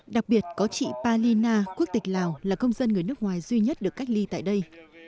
đặc biệt có chị palina quốc tịch lào là công dân người nước ngoài duy nhất được cách ly tại đây